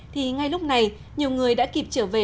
thì ngay lúc này nhiều người đã kịp trở về